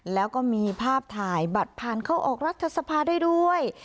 แล้วก็มีภาพถ่ายบัตรผ่านเข้าออกรัฐสภาได้ด้วย